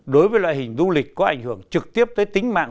đối với loại hình du lịch có ảnh hưởng trực tiếp tới tính mạng